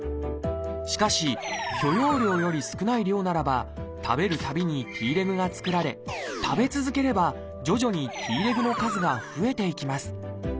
しかし許容量より少ない量ならば食べるたびにＴレグが作られ食べ続ければ徐々にＴレグの数が増えていきます。